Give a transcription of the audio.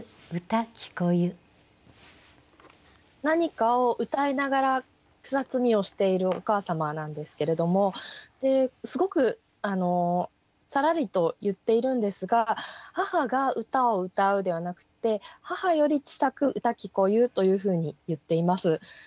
何かを歌いながら草摘をしているお母様なんですけれども。ですごくさらりと言っているんですが母が歌を歌うではなくって「母より小さく歌聞こゆ」というふうに言っています。